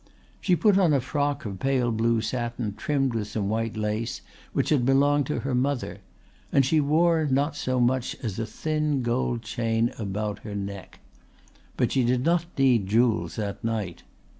She put on a frock of pale blue satin trimmed with some white lace which had belonged to her mother, and she wore not so much as a thin gold chain about her neck. But she did not need jewels that night.